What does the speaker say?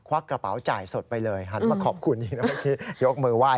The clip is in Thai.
ควักกระเป๋าจ่ายสดไปเลยหันมาขอบคุณนะเมื่อกี้